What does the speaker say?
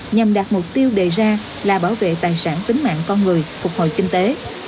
nhằm đạt mục tiêu đề ra là bảo vệ tài sản tính mạng con người phục hồi kinh tế